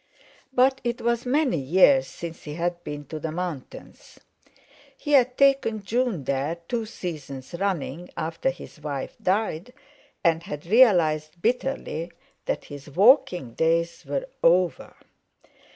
But it was many years since he had been to the mountains. He had taken June there two seasons running, after his wife died, and had realized bitterly that his walking days were over.